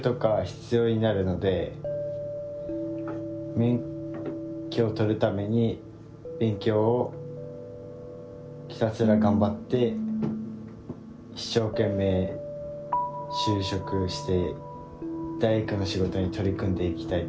免許を取るために勉強をひたすら頑張って一生懸命就職して大工の仕事に取り組んでいきたいと思います。